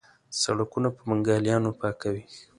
سړکونه په بنګالیانو پاکوي.